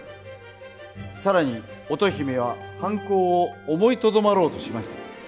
更に乙姫は犯行を思いとどまろうとしました。